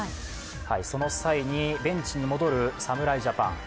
その際にベンチに戻る侍ジャパン。